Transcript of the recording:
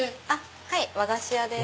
はい和菓子屋です。